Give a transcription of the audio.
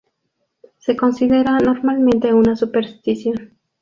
Se considera normalmente una superstición.